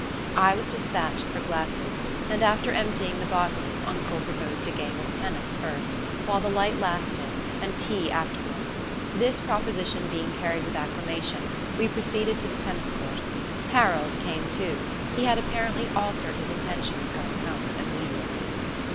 I was dispatched for glasses, and after emptying the bottles uncle proposed a game of tennis first, while the light lasted, and tea afterwards. This proposition being carried with acclamation, we proceeded to the tennis court. Harold came too he had apparently altered his intention of going home immediately.